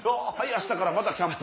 明日からまたキャンプ！